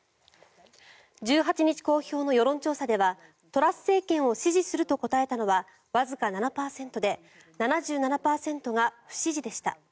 １８日公表の世論調査ではトラス政権を支持すると答えたのはわずか７％で７７％が不支持でした。